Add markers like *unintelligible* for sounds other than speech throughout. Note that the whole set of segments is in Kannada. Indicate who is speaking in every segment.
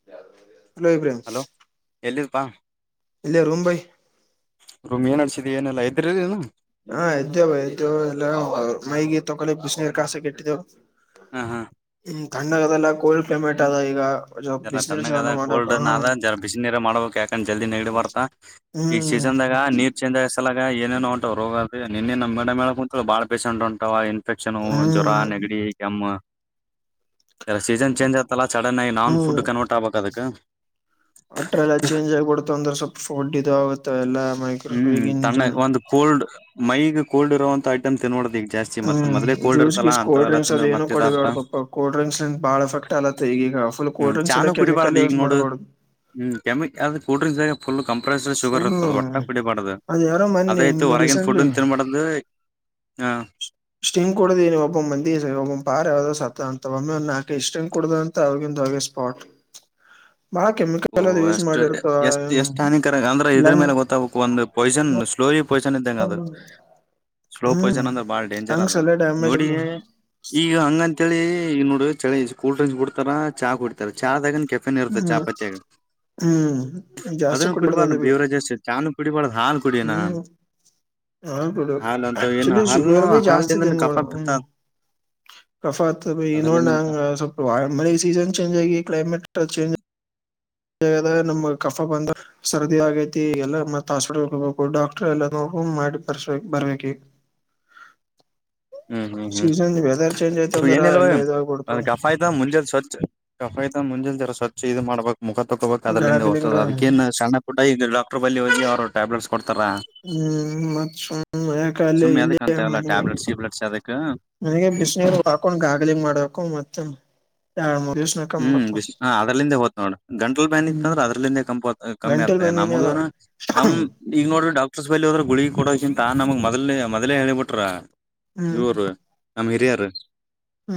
Speaker 1: *inaudible*
Speaker 2: ಎಲ್ಲಿದ್ಪಾ.
Speaker 1: ಇಲ್ಲೆ ರೂಮಂಬೈ.
Speaker 2: ರೂಮ್ ಏನ್ ಅನಡ್ಸಿದಿ ಏನೀಲ್ಲ ಎದ್ರಿಲ್ಲಾ.
Speaker 1: ಹಾ ಇದ್ದೆವು ಬೈ ಇದ್ದೇವು ಎಲ್ಲ ಮೈಗಿ ತೊಕೊಳ್ಳಕ್ ಬಿಸನೀರ್ ಕಾಸಕ್ ಇಟ್ಟಿದ್ದೇವು.
Speaker 2: ಹಾ ಹಾ
Speaker 1: ಹ್ಮ್ ತಣ್ಣಗ್ ಆದಲ್ಲ ಕೋಲ್ಡ್ ಕ್ಲೈಮೇಟ್ ಆದ ಈಗ.
Speaker 2: ಎಲ್ಲ
Speaker 1: ಬಿಸಿನೀರ್
Speaker 2: ತಣ್ಣಗ್ ಆದ
Speaker 1: ಚಾಲೂ ಮಾಡಕ್
Speaker 2: ಕೋಲ್ಡ್ನ್
Speaker 1: ಹ
Speaker 2: ಆದ ಜರ ಬೀಸ್ನೀರ್ ಮಾಡ್ಬಬೇಕ ಯಾಕಂದ್ರ ಜಲ್ದಿ ನೆಗಡಿ ಬರ್ತ. ಈಗ
Speaker 1: ಹ್ಮ್
Speaker 2: ಸೀಸನ್ದಾಗ ನೀರ್ ಚೇಂಜ್ ಆಗ್ ಲಗ ಏನೇನೋಂಟ್ವ್ ರೋಗ ಆಗ್ಲಿ ನಿನ್ನೆ ನಮ್ಮ ಮೇಡಮ್ ಹೇಳ್ ಕುತಿಳು ಬಾಳ ಪೇಷೆಂಟ್ ಹೊಂಟವ. ಇನ್ಫೆಕ್ಷನ್ ಜ್ವರ
Speaker 1: ಹ್ಮ್
Speaker 2: ನೆಗಡಿ ಕೆಮ್ಮ ಎಲ್ಲ ಸೀಸನ್ ಚೇಂಜ್ ಆತಲ್ಲ ಸಡನಾಗಿ ನಾವ್ನು.
Speaker 1: ಹ್ಮ್
Speaker 2: ಫುಡ್ ಕನ್ವರ್ಟ್ ಆಗ್ಬೇಕ್ ಅದಕ್ಕ.
Speaker 1: ಅಟ್ರ ಎಲ್ಲ ಚೇಜ್ ಆಗಿಬಿಡತ ಅಂದ್ರ ಸ್ವಲ್ಪ ಫುಡ್ ಇದು ಆಗುತ್ತೆ ನಾ ಮೈ
Speaker 2: ಹ್ಮ್ ತಣ್ಣ ಒಂದ ಕೋಲ್ಡ್ ಮೈಗ್ ಕೋಲ್ಡ್ ಇರೋಂತ ಐಟಮ್ ತಿನ್ಬಾಡದ ಈಗ ಜಾಸ್ತಿ. ಮತ್
Speaker 1: ಹ್ಮ್
Speaker 2: ಮೊದ್ಲೇ ಕೋಲ್ಡ್
Speaker 1: ಜ್ಯೂಸ್
Speaker 2: ಇರ್ತಲ್ಲ
Speaker 1: ಗೀಸ್ ಕೋಲ್
Speaker 2: ಅಂತವೆಲ್ಲ
Speaker 1: ಡ್ರಿಕ್ಸ್ ಅದ
Speaker 2: ತಿಂದ್ರ
Speaker 1: ಏನು
Speaker 2: ಮತ್ ಇದಾಗ್ತ
Speaker 1: ಕೂಡಿಡದಪ್ಪ. ಕೋಲ್ಡ್ರಿಕ್ಸ್ ಇಂದ ಬಾಳ ಎಫೆಕ್ಟ್. ಕ್ಟ್ ಅಲ್ತದ ಈಗೀಗ ಫುಲ್
Speaker 2: ಹ್ಮ್
Speaker 1: ಕೋಲ್ಡ್ರಿಕ್ಸ್
Speaker 2: ಚಾನು
Speaker 1: ಸಲೇಕೆ ಎಲ್ಲ
Speaker 2: ಕುಡಿಬಾರ್ದು
Speaker 1: ಕೆಮಿಕಲ್
Speaker 2: ಈಗ
Speaker 1: ಯೂಸ್
Speaker 2: ನೋಡು
Speaker 1: ಮಾಡಬಾಡ್ದ.
Speaker 2: ಹ್ಮ್ ಕೆಮ ಅ ಕೋಲ್ಡ್ರೀಕ್ಸದ್ಗ ಫುಲ್ ಕಂಪರೆನ್ಸ್ ಶುಗರ್
Speaker 1: ಫುಲ್
Speaker 2: ಇರತ್ತದ. ಒಟ್ ಒಟ್ಟ ಕುಡಿಬಾಡ್ದ
Speaker 1: ಅದ ಯಾರೋ
Speaker 2: ಅದ್
Speaker 1: ಮೊನ್ನೆ
Speaker 2: ಆಯ್ತ್ ಹೊರಗಿನ
Speaker 1: ರೀಸೆಂಟ್ಲಿ
Speaker 2: ಫುಡ್ನ್ ತಿನ್ಬಾರ್ದು.
Speaker 1: ಸ್ಟಿಂಗ್ ಕೊಡ್ದಿ ನೀ ಒಬ್ಬೊವ್ ಮಂದಿ ಒಬ್ವ್ ಪಾರ್ ಯಾವ್ದೋ ಸತ್ತದ ಅಂತ ಒಮ್ಮೆ ನಾಕ್ ಐದ್ ಸ್ಟಿಂಗ್ ಕುಡ್ದ್ ಅಂತ. ಅವ್ಗಿಂದ ಅವಾಗೇ ಸ್ ಪಾಟ್
Speaker 2: *inaudible*
Speaker 1: *inaudible*
Speaker 2: ಓಹೋ ಅಷ್ಟ
Speaker 1: ಮಾಡಿರ್ತಾವ
Speaker 2: ಎಷ್ಟ ಎಷ್ಟ ಹಾನಿಕರಗ ಅಂದ್ರ ಇದ್ರ
Speaker 1: ಲಂಗ್
Speaker 2: ಮ್ಯಾಲ್ ಗೊತ್ತಾಗಬೇಕು. ಒಂದ ಪಾಯಿಸನ್ ಸ್ಲೋರಿ ಪೊಯಸನ್ ಇದ್ದಂಗ ಅದ ಸ್ಲೋ
Speaker 1: ಹ್ಮ್
Speaker 2: ಪೊಯಸನ್ ಅಂದ್ರ ಬಾಳ ಡೇಂಜರ್
Speaker 1: ಲಂಗ್ಸ್
Speaker 2: ಆದ
Speaker 1: ಎಲ್ಲ ಡ್ಯಾಮೇಜ್
Speaker 2: ನೋಡಿ.
Speaker 1: ಆಗಿ
Speaker 2: ಈಗ ಹಂಗ ಅಂತೇಳಿ ಈಗ್ ನೋಡ ಚಳಿ ಕೂಲ್ ಡ್ರಿಂಕ್ಸ್ ಬಿಡ್ತಾರ. ಚಾ ಕುಡಿತಾರ ಚಾದಾಗನ್ ಕೆಫೆನ್ ಇರತ್ತ
Speaker 1: ಹ್ಮ್
Speaker 2: ಚಾಪತಿಯಾಗ.
Speaker 1: ಹ್ಮ್ ಜಾಸ್ತಿ ಕುಡಿಬ್ಯಾಡ್ದ ಅದ್ ಬೀ
Speaker 2: ಬೇವರೇಜಸ್ ಚಾನು ಕುಡಿಬಾರ್ದು ಹಾಲು ಕುಡಿಯನ
Speaker 1: ಹ್ಮ್. ಹಾ ಬಿಡು
Speaker 2: ಹಾಲು ಅಂತ ಏನು
Speaker 1: ಆಕ್ಚುಲಿ
Speaker 2: ಹಾಲ್ನು
Speaker 1: ಶುಗರ್ ಬೀ ಜಾಸ್ತಿ
Speaker 2: ಹಾಲ್ದಿಂದನು ಕಫ
Speaker 1: ತಿನಬ್ಯಾಡ್ದ
Speaker 2: ಬಿತ್ತ
Speaker 1: ಹ್ಮ್. ಕಫಾ ಆತ್ದ್ ಬೈ. ಈಗ್ ನೋಡ
Speaker 2: ಅದ್ರಲಿಂದ
Speaker 1: ನಾ ಸಪ್ ಸೀಜನ್ ಚೇಂಜ ಆಗಿ ಕ್ಲೈಮೇಟ್ ಚೇಂಜ, ಆದಗ ನಮ್ಗ್ ಕಫ ಬಂದ್ರ. ಸರ್ದಿ ಆಗೈತಿ ಎಲ್ಲಾ ಮತ್ ಹಾಸ್ಪಿಟಲ್ ಹೋಬೇಕು ಡಾಕ್ಟ್ರ ಎಲ್ಲ ನೋ ಮಾಡಿ *unintelligible* ಬರ್ಬೇಕ್ ಈಗ.
Speaker 2: ಹ್ಮ್ ಹ್ಮ್
Speaker 1: ಸೀಸನ್ ವೆದರ್ ಚೇಂಜ್ ಆಯ್ತ
Speaker 2: ಹ್ಮ್
Speaker 1: ಅಂದ್ರ
Speaker 2: ಏನ್ ಇಲ್ಲ
Speaker 1: ಎಲ್ಲ
Speaker 2: ಬೈ
Speaker 1: ಇದಾಗ್ಬಿಡ್ತಾವ್
Speaker 2: ಕಫ ಆಯ್ತ ಮುಂಜೆಲಿ ಸ್ವಚ್ಛ ಕಫಾ ಆಯ್ತ್ ಮುಂಜಲಿ ಜರ ಸ್ವಚ್ಛ ಇದು ಮಾಡ್ಬೇಕು. ಮುಖ ತೊಕೋಬೇಕ್ ಅದ್ರಂಲಿಂದ್ ಹೋಗ್ತದ.
Speaker 1: ಗಾಗ್ಲಿಂಗ್
Speaker 2: ಅದಕ್ಕೇನ್ ಸಣ್ಣ ಪುಟ್ಟ ಈ ಡಾಕ್ಟರ್ ಬಲ್ಲಿ ಹೋಗಿ ಅವ್ರರು, ಟ್ಯಾಬ್ಲೆಟ್ಸ್ ಕೊಡ್ತಾರ
Speaker 1: ಹ್ಮ್ ಮತ್ ಸುಮ್ ಯಾಕ ಅಲ್ಲಿ
Speaker 2: ಸುಮ ಎದಕ್ಕ
Speaker 1: ಇಲ್ಲಿ
Speaker 2: ಅಂತವ
Speaker 1: ಮನೆಗೆ
Speaker 2: ಟ್ಯಾಬ್ಲೆಟ್ಸ್ಲೆ ಗಿಬ್ಲೆಟ್ ಕ.
Speaker 1: ನನಗೆ ಬಿಸನೀರ್ ಹಾಕೊಂಡ್ ಗಾಗ್ಲಿಂಗ್ ಮಾಡ್ಬೇಕು ಮತ್ತನ್ ಎರಡ್ ಮುರ್ದ್ ದಿವಸ್
Speaker 2: ಹ್ಮ್ ಬಿಸ್ ಹ ಅದ್ರಲ್ಲಿಂದೇ ಹೋತದು ನೋಡ್ ಗಂಟಲ್ ಬ್ಯಾನಿ ಇತ್ತ
Speaker 1: ಹ್ಮ್
Speaker 2: ಅಂದ್ರ ಅದ್ರಲಂದೇ ಕಂಪ್ ಕಮ್ಮಿ
Speaker 1: ಗಂಟಲ್
Speaker 2: ಆಗ್ತದೆ
Speaker 1: ಬ್ಯಾನಿನೇ ಅದ
Speaker 2: ನಮಗ ನಮ್ ಈಗ ನೋಡ್ರಿ ಡಾಕ್ಟರ್ಸ್ ಬಲ್ಲ ಹೋದ್ರ ಗುಳಗೀ ಕೊಡಗಿಂತ ನಮಗ್ ಮೊದ್ ಮೊದ್ಲೇ ಹೇಳ್ ಬಿಟ್ಟರ
Speaker 1: ಹ್ಮ್
Speaker 2: ಇವರ ನಮ್ ಹಿರಿಯರು.
Speaker 1: ಹ್ಮ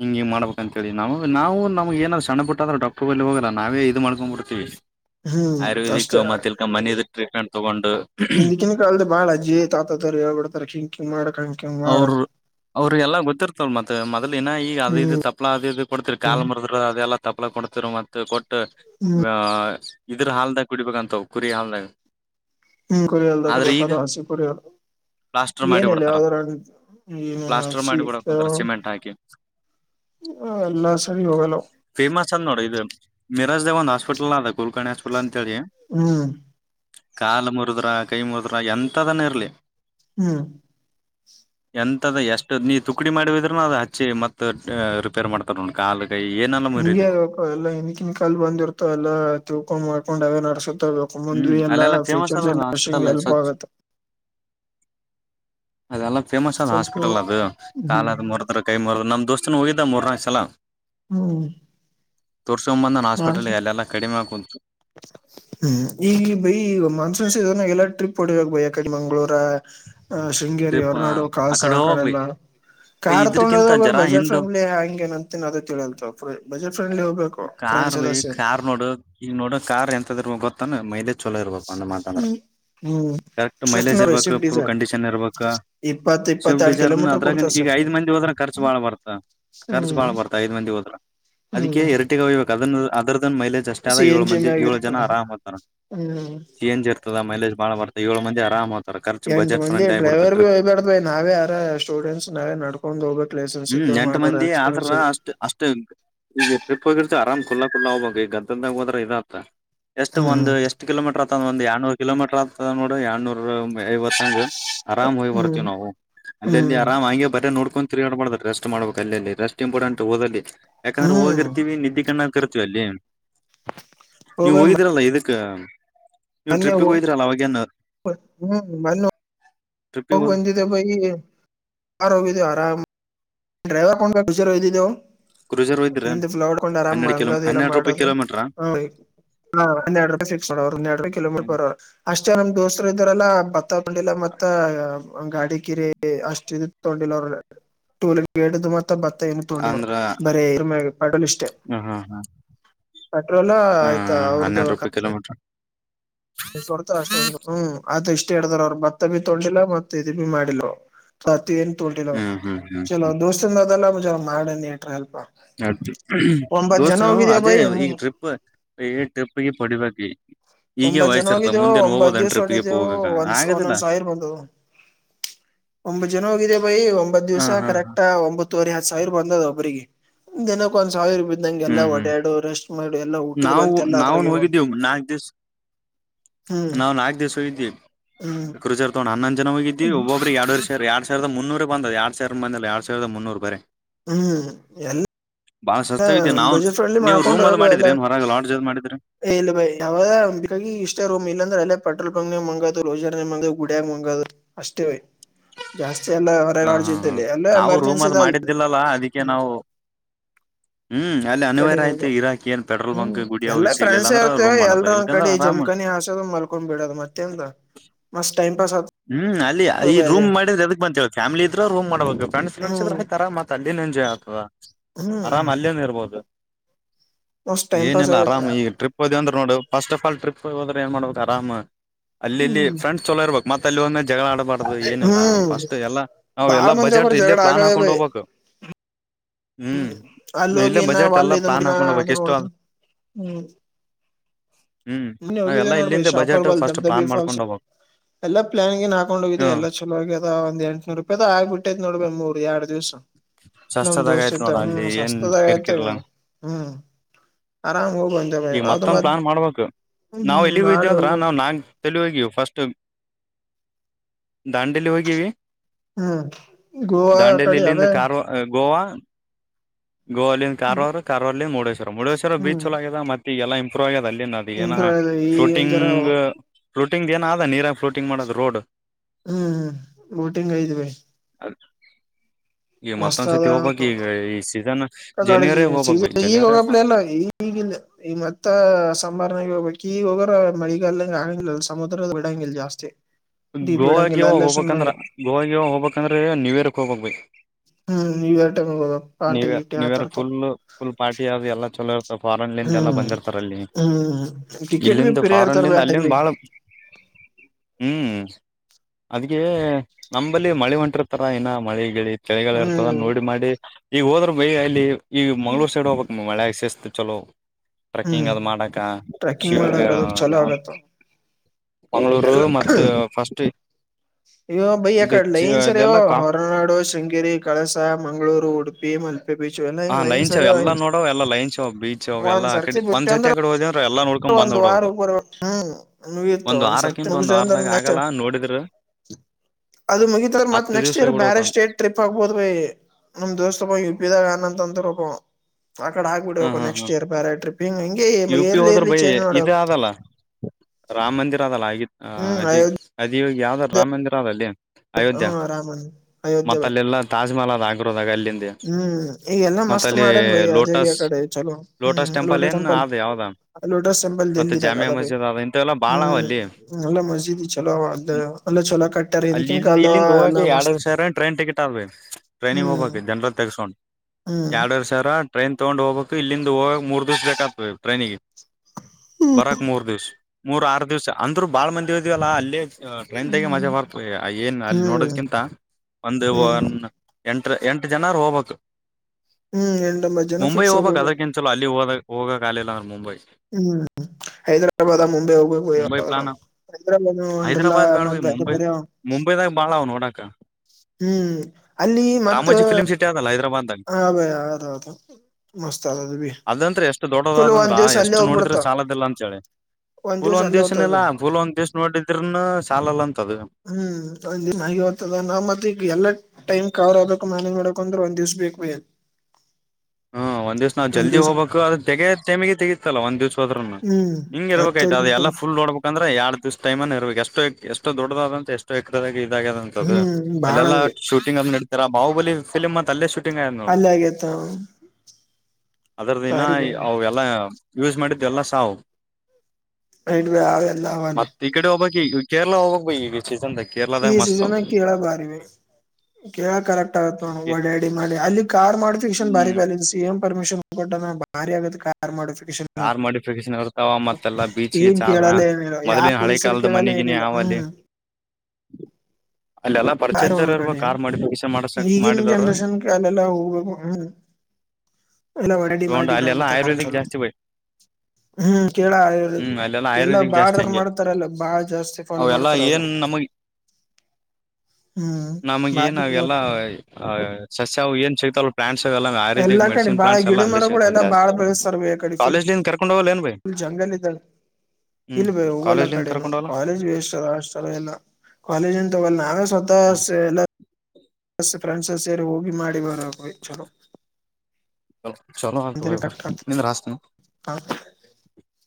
Speaker 2: ಹಿಂಗ್ ಹಿಂಗ್ ಮಾಡಬೇಕ ಅಂತೇಳಿ ನಾವ್ ನಾವು ನಮಗೆ ಏನ ಸಣ್ಣ ಪುಟ್ಟ ಅದ್ರ ಡಾಕ್ಟರ್ ಬಲ್ಲಿ ಹೋಗೋಲ್ಲ ನಾವೇ ಇದು ಮಾಡ್ಕೊಂಡ ಬಿಡ್ತೀವಿ.
Speaker 1: ಹ್ಮ್
Speaker 2: ಆಯುರ್ವೇದಿಕ್
Speaker 1: ಅಷ್ಟೇ
Speaker 2: ಮತ್ತೆಲ್ಕ ಮನಿದ ಟ್ರೀಟ್ಮೆಂಟ್ ತಗೊಂಡು.
Speaker 1: ಹಿಂದಿಕ್ಕಿನ ಕಾಲದ ಬಾಳ ಅಜ್ಜಿ ತಾತ ತರ ಹೇಳ್ಬಡ್ತ ಕಿಂಕಿಂಗ ಮಾಡಕೊಂಡು
Speaker 2: ಅವರ ಅವರಿಗ್ ಎಲ್ಲಾ ಗೊತ್ತಿರ್ತಲ್ ಮತ್ತ ಮೊದ್ ಏನ ಈಗ ಅದ ಇದು
Speaker 1: ಹ್ಮ್
Speaker 2: ತಪ್ಲಾ ಅದು ಇದು ಕೊಡ್ತೀರ ಕಾಲ್ ಮರದರ ಅದೆ ಎಲ್ಲ ತಪ್ಪಲ ಕೊಡ್ತೀರ ಮತ್ತ್ ಕೊಟ್ಟ
Speaker 1: ಹ್ಮ್
Speaker 2: ಇದ್ರ ಹಾಲ್ದಾಗ ಕುಡಿಬೇಕಂತ ಕುರಿ ಹಾಲ್ದಾಗ
Speaker 1: ಹ್ಮ ಕುರಿಲ್ದ ಕುಡ
Speaker 2: ಆದ್ರೆ
Speaker 1: ಕದ
Speaker 2: ಈಗ
Speaker 1: ಹಸಿ ಕುರಿಯಲ್
Speaker 2: ಪ್ಲಾಸ್ಟರ್ ಮಾಡಿ
Speaker 1: ಏನಿಲ್ಲ
Speaker 2: ಬಿಡ್ತಾರ
Speaker 1: ಯಾವದರ *unintelligible* ಏನ್
Speaker 2: ಪ್ಲಾಸ್ಟರ್ ಮಾಡಿ
Speaker 1: ಮಾನಸಿಕ.
Speaker 2: ಬಿಡಕ್ ಅಂತಾರ ಸಿಮೆಂಟ್ ಹಾಕಿ
Speaker 1: ಹ ಎಲ್ಲ ಸರಿ ಹೋಗಲ್ಲ ಅವ್.
Speaker 2: ಫೇಮಸ್ ಅದ ನೋಡ ಇದು ಮೀರಾಜ್ ದಾಗ್ ಒಂದ್ ಹಾಸ್ಪಿಟಲ್ ಅದ ಕೋಲ್ಕರ್ಣಿ ಹಾಸ್ಪಿಟಲ್ ಅಂತೇಳಿ
Speaker 1: ಹ್ಮ್
Speaker 2: ಕಾಲ್ ಮುರದ್ರ ಕೈ ಮುರದ್ರ ಎಂತದಾನ ಇರಲಿ
Speaker 1: ಹ್ಮ್
Speaker 2: ಎಂತದ ಎಷ್ಟು ನೀ ತುಕಡಿ ಮಾಡಿದ್ರನು ಅದು ಹಚ್ಚಿ ಮತ್ತ ರಿಪೇರ್ ಮಾಡ್ತಾರ ಕಾಲ ಕೈ ಏನ್
Speaker 1: ಹಿಂಗೆ ಇರ್ಬೆಕ್ ಎಲ್ಲ ಹಿಂದಕಿನ್ ಕಾಲ್ ಬಂದಿರ್ತ ಅಲ್ಲ ತಿಳ್ಕೊಂಡ್ ಮಾಡ್ಕೊಂಡ್ ಅವೇ ನಡೆಸುತ್ತ ಹೋಗ್ಬೇಕ್ ಮುಂದ
Speaker 2: ಹ್ಮ್
Speaker 1: ಎಲ್ಲಾ
Speaker 2: ಅಲ್ಲೆಲ್ಲಾ ಫೇಮಸ್
Speaker 1: ಫ್ಯೂಚರ್
Speaker 2: ಅದ ಹಾಸ್ಪಿಟಲ್
Speaker 1: ಜನರೇಷನ್ಗೆ ಎಲ್ಪ್
Speaker 2: ಸ್ವಚ್
Speaker 1: ಆಗುತ್ತೆ.
Speaker 2: ಅದೆಲ್ಲಾ ಫೇಮಸ್ ಅದ
Speaker 1: ಸ್ವಲ್ಪ
Speaker 2: ಹಾಸ್ಪಿಟಲ್ ಅದ ಕಾಲ
Speaker 1: ಹ್ಮ್
Speaker 2: ಅದ ಮರದ್ರ ಕೈ ಮರದ್ ನಮ್ ದೋಸ್ತನ ಹೋಗಿದ್ದ ಮೂರ್ನಾಲ್ಕು ಸಲ.
Speaker 1: ಹ್ಮ
Speaker 2: ತೋರಿಸ್ಕೊಂಡ್ ಬಂದನ್ ಹಾಸ್ಪಿಟಲ್ ಅಲ್ಲ ಎಲ್ಲಾ ಕಡಿಮೆ ಕುಂತು
Speaker 1: *inaudible* ಹ್ಮ್ ಈಗ ಬೈ ಮಾನ್ಸೂನ್ ಸೀಸನ್ ಆಗಿಲ್ಲ ಟ್ರಿಪ್ ಹೊಡಿವ ಬಾ ಯಕಡಿ ಮಂಗಳೂರ ಆ ಶೃಂಗೇರಿ
Speaker 2: ಟ್ರಿಪ್
Speaker 1: ಹೊರ್ನಾಡು ಕಾಸ
Speaker 2: ಕಡೆ
Speaker 1: ಆ ಕಡ
Speaker 2: ಹೋಗಕ್ ಬಿ
Speaker 1: ಎಲ್ಲಾ. ಕಾರ್ ತಗೊಂಡ
Speaker 2: ಇದ್ರಕಿಂತ
Speaker 1: ಹೋಗದೊ
Speaker 2: ಜರಾ
Speaker 1: ಬಜೆಟ್
Speaker 2: ಹಿಂದು
Speaker 1: ಫ್ರೆಂಡ್ಲಿ ಹೆಂಗ ಏನ ಅಂತಿನ್ ಅದ ತಿಲೇಲ್ದ ಬಜೆಟ್ ಫ್ರೆಂಡ್ಲಿ ಹೋಗ್ಬೇಕು.
Speaker 2: ಕಾರ್
Speaker 1: ಫ್ರೆಂಡ್ಸ್
Speaker 2: ಬೈ
Speaker 1: ಎಲ್ಲ ಸೇರಿ
Speaker 2: ಕಾರ್ ನೋಡು ಈಗ ನೋಡು ಕಾರ್ ಎಂತದ ಇರ್ಬೆಕ್ ಗೊತ್ತೇನ ಮೈಲೇಜ್ ಚಲೋ ಇರ್ಬೇಕು ಒಂದ ಮಾತಂದ್ರ
Speaker 1: ಹ್ಮ್ ಹ್ಮ್
Speaker 2: ಕರೆಕ್ಟ್
Speaker 1: ಶಿಫ್ಟ್
Speaker 2: ಮೈಲೇಜ್
Speaker 1: ನೋಡಿ
Speaker 2: ಇರ್ಬೇಕ
Speaker 1: ಶಿಫ್ಟ್
Speaker 2: ಫುಲ್
Speaker 1: ಡೀಸೆಲ್
Speaker 2: ಕಂಡೀಷನ್ ಇರ್ಬೇಕ
Speaker 1: ಇಪ್ಪತ್
Speaker 2: ಸ್ವಿಫ್ಟ್
Speaker 1: ಇಪ್ಪತ್ತೆರಡು
Speaker 2: ಡಿಸೈರ್ ನ
Speaker 1: ಕಿಲೋಮೀಟರ್
Speaker 2: ಅದರಾಗ್
Speaker 1: ಕೊಡ್ತಾವ
Speaker 2: ಈಗ
Speaker 1: ಶಿಫ್ಟ್
Speaker 2: ಐದ ಮಂದಿ ಹೋದ್ರ ಖರ್ಚ ಬಾಳ ಬರ್ತುದ್ ಖರ್ಚು ಬಾಳ
Speaker 1: ಹ್ಮ್
Speaker 2: ಬರ್ತಾ ಐದ ಮಂದಿ ಹೋದ್ರ ಕೆ
Speaker 1: ಹ್ಮ್
Speaker 2: ಎರಟಿಗೆ ಹೋಗಬೇಕ ಅದ ಅದರ್ ಮೈಲೇಜ್ ಅಡ್ಜಸ್ಟ್ ಆದ
Speaker 1: ಸಿ
Speaker 2: ಏಳ
Speaker 1: ಎನ್ ಜಿ
Speaker 2: ಮಂದಿ ಏಳು ಜನ
Speaker 1: ಮ್ಯಾಗಿರ್ತದ
Speaker 2: ಆರಾಮ್ ಆಗತಾರ
Speaker 1: ಹ್ಮ್
Speaker 2: ಏನ್ ಜರ್ನಿ ಮೈಲೇಜ್ ಬಾಳ ಬರ್ತುದ್ ಏಳ ಮಂದ ಆರಾಮ್ ಹೋಗ್ತಾರ ಖರ್ಚು
Speaker 1: ಎಂಟ್
Speaker 2: ಬಜೆಟ್
Speaker 1: ಮಂದಿ
Speaker 2: ಫ್ರೆಂಡ್ಲಿ ಆಗಿಬಿಡ್ತ
Speaker 1: ಡ್ರೈವರ್ ಭೀ ಹೊಯ್
Speaker 2: ಟ್ರಿಪ್
Speaker 1: ಬ್ಯಾಡ್ದ್ ಭೈ ನಾವೇ ಯಾರ ಸ್ಟೂಡೆಂಟ್ಸ್ ನಾವೇ ನಡ್ಕೊಂಡ್ ಹೋಗ್ಬೇಕ್ ಲೈಸನ್ಸ್
Speaker 2: ಹ್ಮ್
Speaker 1: ಇದರು
Speaker 2: ಎಂಟು
Speaker 1: ಮಾಡೋರ
Speaker 2: ಮಂದಿ ಆದ್ರ
Speaker 1: ಎಕ್ಸ್ಪೀರಿಯೆನ್ಸ್ ಇದ್ದವ್ರ.
Speaker 2: ಅಷ್ಟ್ ಅಷ್ಟ ಈಗ ಟ್ರಿಪ್ ಹೋಗಿರ್ತೆ ಆರಾಮ್ ಕುಲ್ಲ ಕುಲ್ಲ ಹೋಗ್ಬೇಕು ಈ ಗದ್ದಲ್ದಾಗ ಹೋದ್ರ ಇದು ಆಗ್ತದ ಇತ್ತ ಎಷ್ಟು
Speaker 1: ಹ್ಮ್
Speaker 2: ಒಂದು ಎಷ್ಟು ಎಷ್ಟ ಕಿಲೋಮೀಟರ್ ಆತದ ಒಂದು ಯಾಡನೂರ್ ಕಿಲೋಮೀಟರ್ ಆತದ ನೋಡು ಯಾಡನೂರ್ ಐವತ್ತ ಹಂಗ್ ಆರಾಮ್ ಹೋಗಿ
Speaker 1: ಹ್ಮ್
Speaker 2: ಬರ್ತೀವಿ ನಾವು ಅಲ್ಲಲ್ಲಿ
Speaker 1: ಹ್ಮ್
Speaker 2: ಆರಾಮ್ ಹಂಗೆ ಬರ ನೋಡ್ಕೊ ತಿರ್ಗಯಡ್ ಬ್ಯಾಡದು ರೆಸ್ಟ್ ಮಾಡ್ಬೇಕು ಅಲ್ಲೆಲ್ಲಿ ರೆಸ್ಟ್ ಇಂಪಾರ್ಟೆಂಟ್ ತಗೋದಲ್ಲಿ ಯಾಕಂದ್ರೆ
Speaker 1: ಹ್ಮ್
Speaker 2: ಹೋಗಿರ್ತಿವಿ ನಿದ್ದಿ ಕಣ್ಣಾಕಿರ್ತಿವಿ ಅಲ್ಲಿ. ನೀವು
Speaker 1: ಹೋಗ್ಬ
Speaker 2: ಹೋಗಿದ್ರಲ್ಲ ಇದಕ್ಕ ನೀವು
Speaker 1: ಮೊನ್ನೆ
Speaker 2: ಟ್ರಿಪ್ಗ್
Speaker 1: ಹೋಗ್
Speaker 2: ಹೋಗಿದೀರಲ್ಲ ಅವಾಗೆನ್
Speaker 1: ಹ್ಮ್ ಮೊನ್ನ ಹೋಗ ಬಂದಿದೆ ಬೈ ಆರೋಗಿದ್ದ ಆರಾಮ್. ಡ್ರೈವರ *inaudible*
Speaker 2: ಕ್ರೂಜರ್ ಹೋಗಿದ್ರಿ
Speaker 1: ಹಿಂದ ಫ್ಲಾವುಡ್ ಹೊಡ್ಕೊಂಡ್ ಆರಾಮ
Speaker 2: ಹನ್ನೆರಡು ಕಿಲೋ
Speaker 1: ಮನ್ಗದು ಇಲ್ಲ
Speaker 2: ಹನ್ನೆರಡು ರೂಪಾಯಿ
Speaker 1: ಮಾಡದು
Speaker 2: ಕಿಲೋಮೀಟರ್
Speaker 1: ಹಾ ಒಂದೆರಡು ರೂಪಾಯಿ ಸಿಕ್ಸ್ ಹೋಡದ್ರ *unintelligible* ಕಿಲೋ
Speaker 2: ಹ್ಮ್
Speaker 1: ಮೀಟರ್ ಅಷ್ಟೇ ನಮ ದೋಸ್ತ ಇದರಲ್ಲಾ ತಗೊಂಡಿಲ್ಲ ಮತ್ತ ಗಾಡಿ ಕಿರಿ ಅಷ್ಟ ಇ ತಗೊಂಡಿಲ್ಲ ಅವ ಟೂಲ್ ಎಡದು ಮತ್ತ ಭತ್ತ ಏನ್ನು ತೋಡಿರೋ
Speaker 2: ಅಂದ್ರ
Speaker 1: ಬರೇ *unintelligible* ಇಷ್ಟೇ
Speaker 2: ಹ ಹಾ ಹಾ
Speaker 1: ಪೆಟ್ರೋಲ
Speaker 2: ಹ
Speaker 1: ಆಯ್ತಾ ಅವ್ರದ್ದು
Speaker 2: ಹನ್ನೆರಡು ರೂಪಾಯಿ
Speaker 1: ಖರ್ಚ
Speaker 2: ಕಿಲೋಮೀಟರ್
Speaker 1: ಎಷ್ಟರ್ತ ಅಷ್ಟರ್ ಹ್ಮ್ ಆದ ಇಷ್ಟ್ ಹಿಡದಾರ್ ಅವರು ಭತ್ತ ಬಿ ತೊಂಡಿಲ್ಲ ಮತ್ತ ಇದು ಬಿ ಮಾಡಿಲ್ ಅತಿ ಏನ್ ತೊಗೊಂಡಿಲ್ಲ ಅವ
Speaker 2: ಹ್ಮ್ ಹ್ಮ್ ಹ್ಮ್
Speaker 1: ಚಲೋ
Speaker 2: ಹ್ಮ್
Speaker 1: ದೋಸ್ತ ಅದೆಲ್ಲ ಮುಜಾಗ ಮಾಡನಿ ಟ್ರೈಲ್ಪ
Speaker 2: ಅದ ದೋಸ್ತ ಅದೇ
Speaker 1: ಬೈ
Speaker 2: ಈಗ ಟ್ರಿಪ್ ಈ ಟ್ರಿಪ್ ಗಿಪ್ ಹೊಡಿಬೇಡ ನೀ
Speaker 1: ಒಂಬತ್ ಜನ ಹೋಗಿದ್ದೇವು ಒಂಬತ್ ದಿವ್ಸ
Speaker 2: ಟ್ರಿಪ್ಗೆ
Speaker 1: ಹೊಟ್ಟಿದ್ದೇವು
Speaker 2: ಹೋಗಕ
Speaker 1: ಒಂದ
Speaker 2: ಆಗದಿಲ್ಲ
Speaker 1: ಒಂದೊಂದ ಸಾವಿರ್ ಬಂದೆದ. ಒಂಬತ್ ಜನ ಹೋಗಿದೆ ಬೈ ಒಂಬತ್
Speaker 2: ಹ
Speaker 1: ದಿವ್ಸ
Speaker 2: ಹಾ ಹ
Speaker 1: ಕರೆಕ್ಟ್ ಒಂಬತ್ತು ವರೆ ಹತ್ ಸಾವಿರ ಬಂದದ ಒಬ್ಬ್ರಿಗೆ ದಿನಕ್ಕೆ ಒಂದ ಸಾವಿರ ಬಿತ್ತ *inaudible* ಎಲ್ಲ
Speaker 2: ಹ್ಮ್ ಹ್ಮ್
Speaker 1: ಓಡ್ಯಾಡು ರೆಸ್ಟ್ ಮಾಡು ಎಲ್ಲ ಊಟದ ಬಂತ ಎಲ್ಲ ಅದರಗೆ ಬಂತು
Speaker 2: ನಾಗದಿವಸ್
Speaker 1: ಹ್ಮ್
Speaker 2: ನಾವು ನಾಲ್ಕ ದಿವ್ಸ ಹೋಗಿದ್ದೀವಿ
Speaker 1: ಹ್ಮ್
Speaker 2: ಕ್ರುಜರ್ ತಗೊಂಡು ಹನ್ನೊಂದ ಜನ ಹೋಗಿದ್ದ್ವಿ ಒಬ್ಬೊಬ್ರರಿಗೆ ಎರಡುವರೆ ಸಾವಿರ ಸರಿ ಯಾಡ್ ಸಾವ್ರಿದಾ ಮುನ್ನೂರ ಬಂದದ ಎರಡ್ ಸಾವರ ಬಂದ ಎರಡ್ ಸಾವಿದ ಮುನ್ನೂರ ಬರೆ
Speaker 1: ಹ್ಮ್ ಎಲ್ಲಿ
Speaker 2: ಬಾಳ ಸಸ್ತಾಗಿದ್ಯಾ ನಾವ ನೀವು ರೂಮ್ ಅದ್ ಮಾಡಿದ್ರಿ ಏನ್ ಹೊರಗೆ ಲಾಡ್ಜ್ ಅದ್ ಮಾಡಿದ್ರಿ??
Speaker 1: ಇಲ್ ಬೈ ಯಾವಾಗ ಬೇಕಾಗಿ ಇಷ್ಟೇ ರೂಮ್ ಇ ಅಂದ್ರೆ ಅಲ್ಲೇ ಪೆಟ್ರೋಲ್ ಪಂಕ್ ಮಂಗದು ರೋಜಂಗ್ ಗುಡಿಯಾಗ ಮಕ್ಕೋಲುದ ಅಷ್ಟೇವೆ ಜಾಸ್ತಿ ಎಲ್ಲ
Speaker 2: ಹ ಹಾ ಹಾ
Speaker 1: *inaudible* ಎಲ್ಲ
Speaker 2: ನಾವು ರೂಮ್ ಅದ್
Speaker 1: ಎಮರ್ಜೆನ್ಸಿಲ್ಲಿ ಇದೆ ಅಂತ್ರಿ
Speaker 2: ಮಾಡಿದ್ದಿಲ್ಲಲ್ಲಾ ಅದಕ್ಕೆ
Speaker 1: *inaudible*
Speaker 2: ನಾವು ಹ್ಮ್ ಅಲ್ಲಿ
Speaker 1: ಕಡಿಮ
Speaker 2: ಅನಿವಾರ್ಯ ಆಯ್ತು
Speaker 1: ಬಂದು
Speaker 2: ಇರಾಕ್ ಏನ್ ಪೆಟ್ರೋಲ್
Speaker 1: ಹ್ಮ್
Speaker 2: ಬಂಕ್ ಗುಡಿ
Speaker 1: ಎಲ್ಲ
Speaker 2: ಅವು ಸಿಗ್ಲಿಲ್ಲ
Speaker 1: ಫ್ರೆಂಡ್ಸ
Speaker 2: ಅಂದ್ರ
Speaker 1: ಇರ್ತೇವೆ
Speaker 2: ರೂಮ್
Speaker 1: ಎಲ್ರ
Speaker 2: ಮಾಡದ ಇಲ್ಕಂದ್ರ
Speaker 1: ಕಡೆ
Speaker 2: ಆರಾಮ್
Speaker 1: ಜಮ್ಖನಿ ಹಾಸ್ ಮಲ್ಕೊಂಡ್ ಬಿಡೋದು ಮತ್ತೆನದ ಮಸ್ತ್ ಟೈಮ್ಪಾಸ್ ಆತದ
Speaker 2: ಹ್ಮ್ ಅಲ್ಲಿ ಈ ರೂಮ್ ಮಾಡಿದ್ರ ಎದಕ್ ಬಂತೆ ಹೇಳ್ ಫ್ಯಾಮಿಲೀ ಇದ್ರ ರೂಮ್ ಮಾಡಬೇಕ ಫ್ರೆಂಡ್ಸ್ ಫ್ರೆಂಡ್ಸ್ ಇದ್ರ
Speaker 1: ಹ್ಮ್
Speaker 2: ಹೈಟ್ ಆರಾಮ್. ತಲ್ಲಿ ನಂಜಯ *unintelligible* ಅಥವಾ
Speaker 1: ಹ್ಮ್
Speaker 2: ಆರಾಮ್ ಅಲ್ಲಿನು ಇರ್ಬೋದು.
Speaker 1: ಮಸ್ತ್ ಟೈಮ್ ಪಾಸ್
Speaker 2: ಏನೆಲ್ಲ
Speaker 1: ಆಗತ್ತ
Speaker 2: ಆರಾಮ್ ಈ ಟ್ರಿಪ್ ಹೋದ್ವಿ ಅಂದ್ರ ನೋಡು ಫಸ್ಟ್ ಆಫ್ ಆಲ್ ಟ್ರಿಪ್ ಹೋದ್ರ ಏನ್ ಮಾಡಬೇಕ ಆರಾಮ್ ಅಲ್ಲಿ ಇಲ್ಲಿ
Speaker 1: ಹ್ಮ್
Speaker 2: ಫ್ರೆಂಡ್ಸ್ ಚಲೋ ಇರ್ಬೇಕು. ಮತ್ತಲ್ಲಿ ಒಂದೆ ಜಗಳ ಆಡಬಾರ್ದು ಏನಿಲ್ಲ
Speaker 1: ಹ್ಮ್
Speaker 2: ಫಸ್ಟ್ ಎಲ್ಲ ನಾವು
Speaker 1: ಬಾಳ
Speaker 2: ಎಲ್ಲ
Speaker 1: ಮಂದಿ
Speaker 2: ಬಜೆಟ್
Speaker 1: ಒಬ್ರು
Speaker 2: ಇಲ್ಲೇ
Speaker 1: ಜಗಳ
Speaker 2: ಪ್ಲಾನ್
Speaker 1: ಆಗವೆ
Speaker 2: ಹಾಕೊಂಡು
Speaker 1: ಬೈ
Speaker 2: ಹೋಗ್ಬೇಕು. ಹ್ಮ್.
Speaker 1: ಅಲ್ಲಿ ಹೋಗಿ
Speaker 2: ಇಲ್ಲೇ ಬಜೆಟ್
Speaker 1: ಇನ್ನವಲ್
Speaker 2: ಎಲ್ಲಾ ಪ್ಲಾನ್ ಹಾಕೊಂಡ್
Speaker 1: ಅದು
Speaker 2: ಹೋಗ್ಬೇಕು ಎಷ್ಟು
Speaker 1: ನೋಡುದು ಹ್ಮ್
Speaker 2: ಹ್ಮ್
Speaker 1: *unintelligible* ಮನ್ನೆ ಹೋಗಿದೆ
Speaker 2: ನಾವೆಲ್ಲಾ
Speaker 1: ನೋಡ್
Speaker 2: ಇಲ್ಲಿಂದ ಬಜೆಟ್ ಫಸ್ಟ್
Speaker 1: ಭೈ
Speaker 2: ಪ್ಲಾನ್
Speaker 1: *inaudible* ಫಾಲ್ಸ್
Speaker 2: ಮಾಡ್ಕೊಂಡ್ ಹೋಗ್ಬೇಕು
Speaker 1: ಎಲ್ಲ ಪ್ಲಾನ್ ಗ್ಲಿನ್ ಹಾಕೊಂಡ ಹೋಗಿದೇವ
Speaker 2: ಹ್ಮ್
Speaker 1: ಎಲ್ಲಾ ಚಲೋ ಆಗೇದ ಒಂದ ಎಂಟ್ನೂರು ರೂಪಾಯ್ ಆಗ್ಬ ಬಿಟ್ಟೈ ನೋಡ್ ಭೈ ಯಾಡ್ ಮೂರ್ ದಿವ್ಸ. ನಮ್ದ
Speaker 2: ಸಸ್ತದಾಗ
Speaker 1: ದೋಸ್ತ್
Speaker 2: ಆಯ್ತ್
Speaker 1: ಇದ್ದ
Speaker 2: ನೋಡ
Speaker 1: ಅವ್ನು
Speaker 2: ಅಲ್ಲಿ
Speaker 1: ಮಸ್ತ್
Speaker 2: ಏನ್
Speaker 1: ರಸ್ತೆದಾಗ ಆಯ್ತ
Speaker 2: ಕಿರಿಕಿರಿಲ್ಲ
Speaker 1: ಏನೋ ಹ್ಮ್ ಆರಾಮ ಹೋಗ
Speaker 2: ಈಗ ಮತ್ತೊಂದು ಪ್ಲಾನ್ ಮಾಡಬೇಕು
Speaker 1: ಹ್ಮ್
Speaker 2: ನಾವ್ ಎಲ್ಲಿಗ
Speaker 1: ಮಾಡಿ
Speaker 2: ಹೋಗಿವಂದ್ರ
Speaker 1: ಹೋಗು
Speaker 2: ನಾವ್ ನಾ ಯಲ್ಲೊಗಿವ್ ಫಸ್ಟ್ ದಾಂಡಲಿ ಹೋಗವಿ.
Speaker 1: ಹ್ಮ್ ಗೋವಾ ಕಡೆ ಅದೇ
Speaker 2: ಕಾರ್ವ ಗೋವಾ ಗೋವಾಲಿಂದ
Speaker 1: ಹ್ಮ್
Speaker 2: ಕಾರವಾರ ಕಾರವರಳಿಂದ ಮುರುಡೇಶ್ವರ ಮುರುಡೇಶ್ವರ ಬೀಚ್
Speaker 1: ಹ್ಮ್
Speaker 2: ಚಲಾಗಿದೆ ಮತ್ ಈಗ ಎಲ್ಲಾ ಇಂಪ್ರೂವ್ ಆಗ್ಯದ ಅಲ್ಲಿನ ಅದು ಏನ
Speaker 1: ಇಂಪ್ರೂವ್ ಆದ ಈಗನ್ ಜರ
Speaker 2: ಶೂಟಿಂಗ್ ಪ್ಲೋಟಿಂಗ ಏನಾದ ನೀರ ಫ್ಲೋಟಿಂಗ್ ಮಾಡದು ರೋಡ್ -
Speaker 1: ಹ್ಮ್ ಹ್ಮ್ ಬೋಟಿಂಗ್ ಐದ್ ಇವೆ.
Speaker 2: ಅದ ಈ
Speaker 1: ಮಸ್ತ್ ಅದ
Speaker 2: ಮತ್ತೊಂದ್ಸತಿ ಹೋಗ್ಬೇಕ ಈಗ ಈ ಸೀಸನ್ ಜನಿವರಿ
Speaker 1: *unintelligible*
Speaker 2: ಹೋಗ್ಬಕ್ ಬೈ
Speaker 1: ಸೀಸನ್ ಈಗ ಹೋಗೋ
Speaker 2: ಜನಿವರಿ
Speaker 1: ಪ್ಲಾನ್ ಇಲ್ಲ ಈಗಿಲ್ಲ. ಈ ಮತ್ತ ಸುಮ್ಮರನ್ಯಾಗ ಹೋಗ್ಬೇಕ ಈಗ ಹೋಗರ ಮಳಿಗಾಲದಾಗ ಆಗಂಗಿಲ್ಲ ಸಮುದ್ರದ ಬಿಡಂಗಿಲ್ಲ ಜಾಸ್ತಿ. ದೀಪ್ ಬಿಡಂಗಿಲ್ಲ
Speaker 2: ಗೋವಾಗಿವಾ
Speaker 1: ಅಲ್ಲೇ ಸುಮ್ಮ್ನೆ
Speaker 2: ಹೋಗ್ಬೇಕಂದ್ರ ಗೋವಾಗಿವಾ ಹೋಗ್ಬೇಕಂದ್ರ ನ್ಯೂ ಇಯರ್ಕ್ ಹೋಗ್ಬೇಕ ಭೈ.
Speaker 1: ಹ್ಮ್ ನ್ಯೂ ಇಯರ್ ಟೈಮ್ ಹೋಗೋದ
Speaker 2: ನ್ಯೂ
Speaker 1: ಪಾರ್ಟಿಗೆ
Speaker 2: year new year full full party ಆದು ಎಲ್ಲ ಚಲೋ ಫಾರನ್ಲಂದ ಎಲ್ಲ
Speaker 1: ಹ್ಮ್
Speaker 2: ಬಂದಿರ್ತಾರ ಅಲ್ಲಿ
Speaker 1: ಹ್ಮ್ ಟಿಕೆಟ್ ಬಿ
Speaker 2: ಇಲ್ಲಿಂದ
Speaker 1: ಪಿರೇ ಇರ್ತಾರ ಬ
Speaker 2: ಫಾರನ್ಲಂದ
Speaker 1: ಆ
Speaker 2: ಅಲ್ಲಿಂದ
Speaker 1: ಟೈಮಿಗೆ
Speaker 2: ಬಾಳ ಹ್ಮ್ ಅದಗೆ ನಂಬಲ್ಲಿ ಮಳೆ ಹೊಂಟರ ತರ ಇನ್ನ ಮಳಿ ಚಳಿಗಳ ಇರ್ತದ
Speaker 1: ಹ್ಮ್
Speaker 2: ನೋಡಿ ಮಾಡಿ ಈಗ ಹೋದ್ರ ಬೈ ಅಲ್ಲಿ ಈಗ ಮಂಗಳೂರು ಸೈಡ್ ಹೋಗಬೇಕ ಮಳೆ ಸೇಸ್ತು ಚಲೋ ಟ್ರೆಕ್ಕಿಂಗ್
Speaker 1: ಹ್ಮ್
Speaker 2: ಅದು ಮಾಡಕ
Speaker 1: ಟ್ರೆಕ್ಕಿಂಗ್
Speaker 2: ಶಿವ
Speaker 1: ಮಾಡಕ್ ಅದಕ್ ಚಲೋ
Speaker 2: ಯ
Speaker 1: ಆಗತ್ತ
Speaker 2: ಮಂಗಳೂರು ಮತ್ತ ಫಸ್ಟ್.
Speaker 1: ಇವ ಭೈ ಯ
Speaker 2: ಇದು
Speaker 1: ಕಡ್ಲ ಏನ್ ಸರ್ ಇವ
Speaker 2: ಇದೆಲ್ಲಾ ಕಾ
Speaker 1: ಹೊರನಾಡೋ ಶೃಂಗೇರಿ ಕಳಸ ಮಂಗಳೂರು ಉಡುಪಿ ಮ
Speaker 2: ಹಾ ಲೈನ್ಸ್ ಅವ ಎಲ್ಲ ನೋಡವ್ ಎಲ್ಲ
Speaker 1: *unintelligible* ಒನ್ ಸರತಿ ಬಿಟ್ಟೆ ಅ
Speaker 2: ಹ ಎಲ್ಲ ನೋಡ್
Speaker 1: ಒಂದ್ ವಾರ ಹ್ಮ ಮುಗತ
Speaker 2: ಒಂದ್
Speaker 1: ಒಂದ್ಸರ್ತಿ
Speaker 2: ವಾರಕ್ಕಿಂತ ಒಂದ್
Speaker 1: ಮುಗತಿಂದ್ರಾ
Speaker 2: ವಾರದಾಗ
Speaker 1: ನೆಕ್ಸ್ಟ್
Speaker 2: ಆಗಲ್ಲ ನೋಡಿದ್ರ
Speaker 1: ಅದು ಮುಗಿತಾರೆ ಮತ್ತ
Speaker 2: ಹತ್ತು
Speaker 1: ನೆಕ್ಸ್ಟ್
Speaker 2: ದಿವ್ಸ
Speaker 1: ಇಯರ್
Speaker 2: ಬಿಡಕ್
Speaker 1: ಬ್ಯಾರ್
Speaker 2: ಒಂದ್
Speaker 1: ಎಸ್ಟೇಟ್ ಟ್ರಿಪ್ ಆಗ್ಬಹದು ಬೈ ನಮ್ ದೋಸ್ತ ಬೀ ಯುಪಿ ಬಿದಾಗ ಅನಂತ ಅಂತರ. ಆ ಕಡೆ
Speaker 2: ಹ್ಮ
Speaker 1: ಆಗ್ಬಡ್ಬೇಕು
Speaker 2: ಹ್ಮ್
Speaker 1: ನೆಕ್ಸ್ಟ್
Speaker 2: ಹ್ಮ್
Speaker 1: ಇಯರ್ ಬ್ಯಾರೆ ಟ್ರಿಪ್ ಹಿಂಗ ಹಿಂ
Speaker 2: ಯು
Speaker 1: ಇಯರ್ಲೀ ಇಯರ್ಲೀ ಚೇಂಜ್ ನೋಡ್ಬೇಕು.
Speaker 2: ರಾಮ್ ಮಂದಿರ್ ಅದಲ್ಲ ಆಗಿ
Speaker 1: ಹ್ಮ್
Speaker 2: ಅದ
Speaker 1: ಅಯೋಧ್ಯ
Speaker 2: ಅದ ಯಾವ್ದ ರಾಮ್ ಮಂದಿರ ಅದಲ್ಲಿ. ಅಯೋಧ್ಯ
Speaker 1: ಹ್ಮ ಆರಾಮನ್ ಅಯೋಧ್ಯೆ
Speaker 2: ಮತ್ತ
Speaker 1: ಬೈ
Speaker 2: ಅಲ್ಲೆಲ್ಲ ತಾಜ್ಮಹಲ್ ಅದ ಆಗಿರೋದಾಗ ಅಲ್ಲಿ ಅಲ್ಲಿಂದ
Speaker 1: ಹ್ಮ್ ಈಗೆಲ್ಲಾ
Speaker 2: ಮತ್ತ
Speaker 1: ಮಸ್ತ್ ಮಾಡನ್ ಬಯ ಅದ ಗ
Speaker 2: ಲೋಟಸ್
Speaker 1: ಕಡೆ ಚಲೋ ಹ್ಮ್ ಲೋಟಸ್
Speaker 2: ಏನ್
Speaker 1: ಟೆಂಪಲ್
Speaker 2: ಅದ ಯಾವ್ದ
Speaker 1: ಲೋಟಸ್ ಟೆಂಪಲ್
Speaker 2: ಮತ್ತೆ
Speaker 1: ದಲ್ಲಿ
Speaker 2: ಜಾಮಿಯಾ
Speaker 1: ತಾಗದ ಭ
Speaker 2: ಮಸ್ಜಿದ್ ಅದ ಇಂಥವೆಲ್ಲಾ ಬಾಳ
Speaker 1: ಹ್ಮ್
Speaker 2: ಅವ ಅಲ್ಲಿ
Speaker 1: ಅಲ್ಲ ಮಸ್ಜಿದ ಚಲೋ ಅಯ್ತೆ
Speaker 2: ಅಲ್ಲಿಂದ ಇಲ್ಲಿಂದ ಹೋಗೆ ಎರಡ
Speaker 1: ಮಸ್ತ್
Speaker 2: ಸಾವ ಟ್ರೈನ್ ಟಿಕೆಟ್ ಆಗ್ಬೇಕು ಟ್ರೈನಿಗೆ
Speaker 1: ಹ್ಮ್
Speaker 2: ಹೋಗ್ಬೇಕು ಜನ ತಗಸ್ಕೊಂಡು
Speaker 1: ಹ್ಮ್
Speaker 2: ಯಾರಡಾರ ಸರ ಟ್ರೈನ್ ತಗೊಂಡ್ ಹೋಗ್ಬೇಕು ಇಲ್ಲಿಂದ ಹೋಗ ಮೂರು ದಿವಸ ಬೇಕ ಟ್ರೈನಿಂಗ ಬರಕ್ ಮೂರು ದಿವ್ಸ ಮೂರು ಆರು ದಿವ್ಸ ಅಂದ್ರರು ಬಾಳ ಮಂದಿ ಇದ್ವಲ್ಲ ಅಲ್ಲೇ ಟ್ರೈನ್ದಾಗ
Speaker 1: ಹ್ಮ್
Speaker 2: ಮಜಾ ಬರ್ತವಿ ಏನ್ ಅಲ್ಲಿ
Speaker 1: ಹ್ಮ್
Speaker 2: ನೋಡೋದ್ಕಿಂತ ಒಂದು
Speaker 1: ಹ್ಮ್
Speaker 2: ಒನ್ ಎಂಟ ಎಂಟು ಜನ ಹೋಗ್ಬೇಕು
Speaker 1: ಹ್ಮ್ ಎಂಟು ಒಂಬತ್ತು
Speaker 2: ಮುಂಬೈ ಹೋಗಬೇಕು ಅದಕ್ಕಿನ್ ಚಲೋ ಅಲ್ಲಿ ಹೋದಾಗ ಹೋಗಕ್ ಹಾಗಿಲ್ಲ ಅಂದ್ರೂನು ಮುಂಬೈ
Speaker 1: ಹ್ಮ್ ಹೈದ್ರಾಬಾದಾ ಮಂಬೈ ಹೋಗಬೇಕು ಬಯ್ಯಾ
Speaker 2: ಮುಂಬೈ
Speaker 1: ಯವಾಗದ್ರು
Speaker 2: ಪ್ಲಾನ್
Speaker 1: *unintelligible* ವಂಡರ್ಲ
Speaker 2: ಹೈದ್ರಾಬಾದ್ ಬ್ಯಾಡ
Speaker 1: ಎರ
Speaker 2: ಬಿ
Speaker 1: ಅಲ್ಲಾತ್ತ
Speaker 2: ಮುಂಬೈ
Speaker 1: ಬರ
Speaker 2: ಮುಂಬೈದಾಗ ಬಾಳ ಅವ್ ನೋಡಾಕ
Speaker 1: ಹ್ಮ್ ಅಲ್ಲಿ ಮತ್ತ
Speaker 2: ರಾಮೋಜಿ ಫಿಲ್ಮ್ ಸಿಟಿ ಅದಲ್ಲ ಹೈದ್ರಾಬಾದ್ದಾಗ
Speaker 1: ಹ ಭಯ ಹೌದೌದು ಮಸ್ತಾದ ವ್ಯೂ
Speaker 2: ಅದಂತ್ರ ಎಷ್ಟು ದೊಡ್ಡದ ಅದಂದ್ರ ಎಷ್ಟು ನೋಡಿದ್ರೆ
Speaker 1: ಹೋಗ್ಬಿಡ್ತಾವ
Speaker 2: ಸಾಲುದಿಲ್ಲ ಅಂತ ಹೇಳಿ
Speaker 1: ಒಂದ್
Speaker 2: ಪುಲ್
Speaker 1: ದಿವ್ಸ
Speaker 2: ಒಂದ
Speaker 1: ಅಲ್ಲೇ
Speaker 2: ದಿವ್ಸನ
Speaker 1: ಹೋಗ್ತದ ಬಿ
Speaker 2: ಇಲ್ಲ ಫೂಲ್ ಒಂದ್ ದಿವ್ಸ ನೋಡಿದ್ರರುನು ಸಾಲಲ್ಲ ಅಂತದ
Speaker 1: ಹ್ಮ್ ಒಂದಿನ ಹಿತದ ನ ಮತ್ತ ಈಗ ಎಲ್ಲ ಟೈಮ್ ಕಾರ್ ಆಗಕ್ ಮ್ಯಾನೇಜ್ ಮಾಡಕಕ್ ಅಂದ್ರ ಒಂದ ದಿವಸ ಬೇಕು
Speaker 2: ಹ್ಮ ಒಂದ್ ದಿವ್ಸ ನಾವು ಜಲ್ದಿ
Speaker 1: ದಿವ್ಸ
Speaker 2: ಹೋಗ್ಬೇಕು ಆದ್ರ ತೆಗೆ ಟೈಮಿಗೆ ತೆಗಿ ಒಂದ ದಿವ್ಸ ಹದ
Speaker 1: ಹ್ಮ್
Speaker 2: ಹಿಂಗ ಇರ್ಬೇಕ್ತ
Speaker 1: ಹತ್ತಂತ
Speaker 2: ಅದೆಲ್ಲ ಫುಲ್ ನೋಡ್ಬಬೇಕ ಯಂದ್ರೆ ಎರಡ್ ದಿವ್ ಟೈಮ್ ಅನ್ನ ಇರ್ಬೇಕ ಎಷ್ಟ ಎಷ್ಟ ದೊಡ್ಡದಾದ ಅಂತ ಎಷ್ಟು *unintelligible* ಎಕದ ಇದಾಗದಂತ್ದ
Speaker 1: ಹ್ಮ್ ಬಾಳ
Speaker 2: ಅಲ್ಲೆಲ್ಲ
Speaker 1: ಅವೆ
Speaker 2: ಶೂಟಂಗ್ ನಡೀತದೆ ಬಾಹುಬಲಿ ಫಿಮ್ ಅಲ್ಲೇ ಶೂಟಿಂಗ್ ಆಗ್ಯದ ನೋಡ್ರಿ
Speaker 1: ಅಲ್ಲ ಆಗೇತ
Speaker 2: ಅದ್ರ ದಿನ
Speaker 1: ಬಾರಿಬೆ
Speaker 2: ಅವೆಲ್ಲಾ ಯೂಸ್ ಮಾಡಿದ್ದ ಎಲ್ಲ ಸಾವ
Speaker 1: ಇಲ್ಲ ಆಗಲ್ಲ
Speaker 2: ಇಕಡೆ ಒಬ್ಬಕ್ಕಿ ಈ ಕರಳ ಹೋಗಬಾಗಕ್ಕೆ. *inaudible* *inaudible* ಕೇ.
Speaker 1: ಈ ಸೀಜನ್ ಕ ಬಾರಿ. *inaudible* ಕೇಳಕ್ ಕರೆಕ್ಟ್ ಆಗತ್ ನ ಒಡ್ಯಾಡಿ ಮಾಡಿ ಅಲ್ಲಿ ಕಾರ್ ಮಾಡ್ತಿವಿ ಇಷನ್ ಬಾರಿಪ
Speaker 2: ಹ್ಮ್
Speaker 1: ಅಲ್ಲಿ ಸಿ ಎಂ. ಪರ್ಮಿಷನ್ ಕೊಟ್ಟಗ ಭಾರಿ ಆಗತ್. ಯಾರ್ ಮಾಡ್
Speaker 2: ಕಾರ್ ಮಾಡಿಫಿಕೇಶನ್ ಇರ್ತಾವ
Speaker 1: *unintelligible*
Speaker 2: ಮತ್ತೆಲ್ಲಾ ಬೀಚ್ಗೆ
Speaker 1: ಏನ್
Speaker 2: ಚಾದ
Speaker 1: ಕೇಳಲೇನ್ ನೀನು ಯಾರ್ ಪೊಲೀಸರು. ಕೇಳಲ್ಲ ಏನಿಲ್ಲ ಹ್ಮ್.
Speaker 2: ಅಲೆಲ್ಲ
Speaker 1: ಬಾರಿ
Speaker 2: ಪರಿಚೆದ್ದಾರೆ ಇರ್ಬಕ್
Speaker 1: ಒಳಗಡೆ
Speaker 2: ಕಾರ್ ಮಾಡಿಪಿಕೇಶನ್ ಮಾಡಸಕ್ ಮಾಡಿದರು.
Speaker 1: ಎಲೆಲ್ಲ ಹೋಗ ಹ್ಮ್. ಎಲ್ಲ ಹೊಡಾಡಿ
Speaker 2: ತಗೊಂಡು
Speaker 1: ಮಾಡಿ
Speaker 2: ಅಲ್ಲೆಲ್ಲಾ
Speaker 1: ವಾರಗಬರ್ತಾರ್
Speaker 2: ಆಯುರ್ವೇದಿಕ್
Speaker 1: ಕರುದ್ರವ್ರು.
Speaker 2: ಜಾಸ್ತಿ ಬೈ
Speaker 1: ಹ್ಮ್ ಕೇಳ
Speaker 2: ಹ್ಮ್ ಅಲ್ಲೆಲ್ಲಾ
Speaker 1: ಎಲ್ಲೋ
Speaker 2: ಆಯುರ್ವೇದಿಕ್ ಜಾಸ್ತಿ
Speaker 1: ಬಾಡ್ರಗ್
Speaker 2: ಹಂಗೆ
Speaker 1: ಮಾಡ್ತಾರಲ್ಲ ಬಾಳ್ ಜಾಸ್ತಿ. ಫಾಲೋ
Speaker 2: ಅವೆಲ್ಲಾ
Speaker 1: ಮಾಡ್ತಾರ ಅದು
Speaker 2: ಏನ್ ನಮಗ್
Speaker 1: ಹ್ಮ್
Speaker 2: ನಮಗಿ
Speaker 1: ಬಾರಿ
Speaker 2: ನಾವ್ ಎಲ್ಲಾ.
Speaker 1: ಮಾಡ್ತಾರ
Speaker 2: ಹ ಸಸ್ಯವು ಏನ್ ಸಿತಾವಲ ಪ್ಲಾಂಟ್ಸ್ ಅವೆಲ್ಲ
Speaker 1: ಎಲ್ಲಾ ಕಡೆ
Speaker 2: ಮೆಡಿಸಿನ್
Speaker 1: ಬಾಳ
Speaker 2: ಪ್ಲಾಟ್ಸ್. ಎಲ್ಲ
Speaker 1: ಗಿಡ
Speaker 2: ಅಲ್ಲೇ
Speaker 1: ಮರಗಳು ಎಲ್ಲಾ
Speaker 2: *unintelligible*
Speaker 1: ಬಾಳ
Speaker 2: ಜಾಸ್ತಿ ಕಾಲೇಜ್ನಿಂದ್ ಕರ್ಕೊಂಡ ಹೋಗಲ್ ಏನ್ ಬೈ.
Speaker 1: ಇಲ್ ಜಂಗಲ್ ಇದಗ
Speaker 2: ಹ್ಮ್
Speaker 1: ಇಲ್ ಬೈ
Speaker 2: ಕಾಲೇಜ್ಲಿಂದ
Speaker 1: ಹೋಗಲ್ಲಕಡೆನು
Speaker 2: ಕರ್ಕೊಂಡ್ ಹೋಗಲ್ಲ
Speaker 1: ಕಾಲೇಜ್ ವೇಸ್ ಅದವ್ ಅಷ್ಟ. ಪರ್ವಾಗಿಲ್ಲ ಕಾಲೇಜಿಂದೋಗಲ್ ನೇ
Speaker 2: ಹ್ಮ್
Speaker 1: ಸ್ವತಃ. ಫ್ರೆಂಡ್ಸು ಸೇರಿ ಹೋಗಿ ಮಾಡಿ ಬರ ಚಲೋ.
Speaker 2: ಲ ಚಲೋ ಹತೋ ಯಪ್ಪಾ ನಿಂದ್ರ ಹಾಸ್ತೀನಿ.
Speaker 1: ಹಾ.